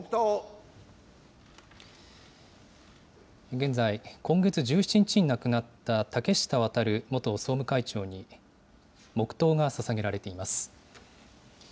現在、今月１７日に亡くなった竹下亘元総務会長に、黙とうがささげられています。